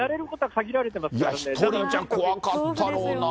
１人じゃ怖かったろうなぁ。